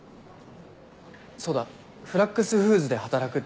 そうだフラックスフーズで働くっていうことは